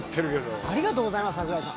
ありがとうございます桜井さん。